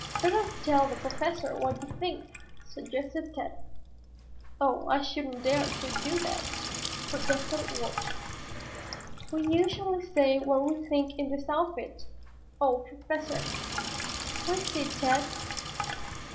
"Better tell the Professor what you think," suggested Tad. "Oh, I shouldn't dare to do that," protested Walter. "We usually say what we think in this outfit. Oh, Professor!" "What is it, Tad?"